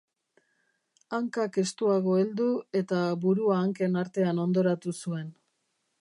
Hankak estuago heldu, eta burua hanken artean hondoratu zuen.